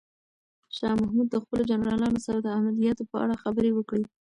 شاه محمود د خپلو جنرالانو سره د عملیاتو په اړه خبرې وکړې.